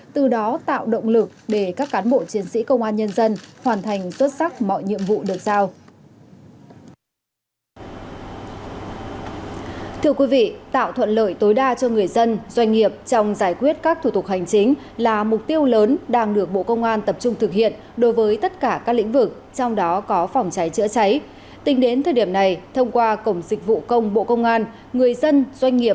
từ đó tạo động lực để các cán bộ chiến sĩ công an nhân dân hoàn thành xuất sắc mọi nhiệm vụ được giao